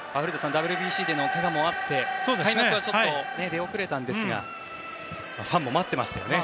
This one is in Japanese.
ＷＢＣでのけがもあって開幕は出遅れたんですがファンも待っていましたよね。